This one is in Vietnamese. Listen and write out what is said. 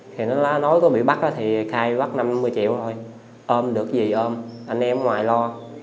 thì nó lá nói có bị bắt thì khai bắt năm mươi triệu thôi ôm được gì ôm anh em ở ngoài lo